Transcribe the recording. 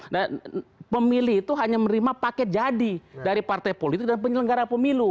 dan pemilih itu hanya menerima paket jadi dari partai politik dan penyelenggara pemilu